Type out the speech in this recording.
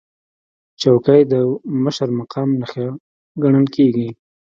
چوکۍ د مشر مقام نښه ګڼل کېږي.